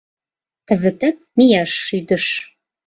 — Кызытак мияш шӱдыш.